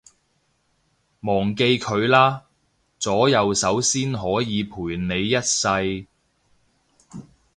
忘記佢啦，左右手先可以陪你一世